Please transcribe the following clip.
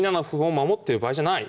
守ってる場合じゃない？